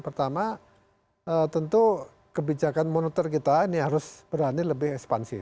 pertama tentu kebijakan moneter kita ini harus berani lebih ekspansif